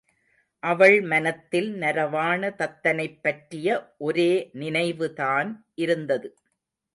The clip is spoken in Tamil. அவள் மனத்தில் நரவாண தத்தனைப் பற்றிய ஒரே நினைவுதான் இருந்தது.